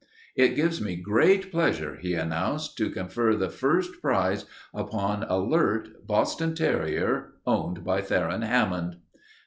"It gives me great pleasure," he announced, "to confer the first prize upon Alert, Boston terrier, owned by Theron Hammond."